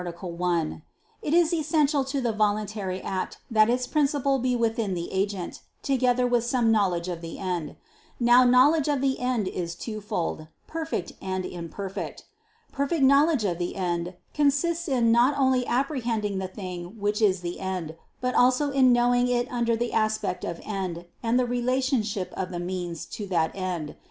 1), it is essential to the voluntary act that its principle be within the agent, together with some knowledge of the end. Now knowledge of the end is twofold; perfect and imperfect. Perfect knowledge of the end consists in not only apprehending the thing which is the end, but also in knowing it under the aspect of end, and the relationship of the means to that end.